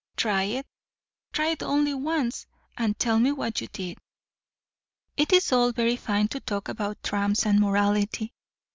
Try it; try it only once; and tell me what you did. It is all very fine to talk about tramps and morality.